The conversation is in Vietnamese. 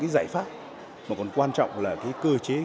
là một công nghệ